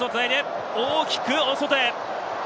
大きく大外へ。